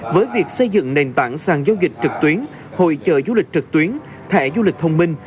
với việc xây dựng nền tảng sàn giao dịch trực tuyến hội trợ du lịch trực tuyến thẻ du lịch thông minh